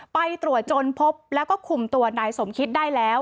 ไปตรวจจนพบแล้วก็คุมตัวนายสมคิดได้แล้ว